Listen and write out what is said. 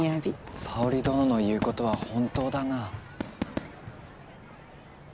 沙織殿の言うことは本当だな。